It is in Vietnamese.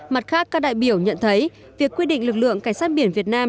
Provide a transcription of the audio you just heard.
mặt khác các đại biểu nhận thấy việc quy định lực lượng cảnh sát biển việt nam